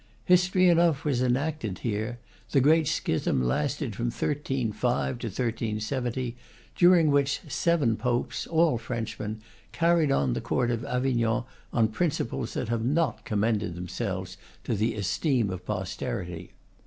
History enough was enacted here: the great schism lasted from 1305 to 1370, dur ing which seven Popes, all Frenchmen, carried on the court of Avignon on principles that have not com mended themselves to the esteem of posterity.